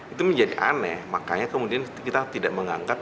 itu menjadi aneh makanya kemudian kita tidak mengangkat